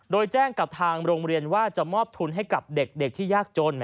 โดยแจ้งกับทางโรงเรียนว่าจะมอบทุนให้กับเด็กที่ยากจน